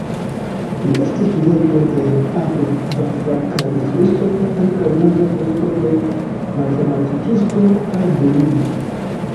Li estis studento de Abu'l-Vafa kaj instruisto kaj ankaŭ grava kolego de matematikisto, Al-Biruni.